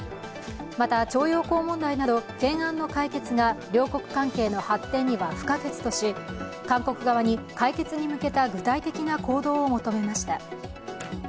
また徴用工問題など、懸案の解決が両国関係の発展には不可欠とし韓国側に解決に向けた具体的な行動を求めました。